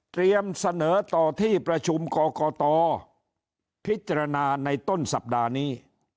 เสนอต่อที่ประชุมกรกตพิจารณาในต้นสัปดาห์นี้